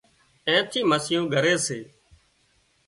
اين ٿي مسيون ڳري سي